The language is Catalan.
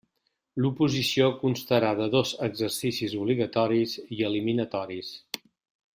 L'oposició constarà de dos exercicis obligatoris i eliminatoris.